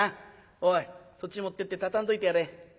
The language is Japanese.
おいそっち持ってって畳んどいてやれ。